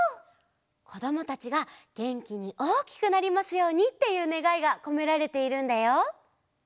こどもたちがげんきにおおきくなりますようにっていうねがいがこめられているんだよ。